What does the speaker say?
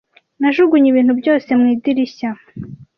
najugunye ibintu byose mu idirishya